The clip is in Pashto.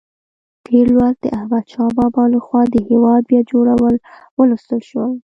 تېر لوست د احمدشاه بابا لخوا د هېواد بیا جوړول ولوستل شول.